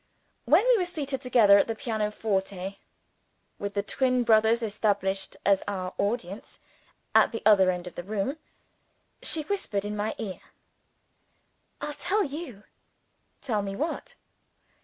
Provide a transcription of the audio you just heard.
When we were seated together at the pianoforte with the twin brothers established as our audience at the other end of the room she whispered in my ear: "I'll tell you!" "Tell me what?"